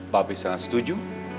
papi sangat setuju